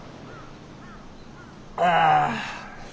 ああ。